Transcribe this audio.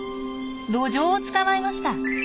ドジョウを捕まえました！